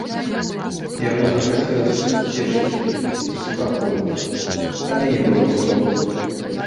Яму захацелася суцешыць яе, заспакоіць, але не было слоў.